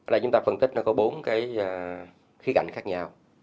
là chúng ta phân tích nó có bốn cái khía cạnh khác nhau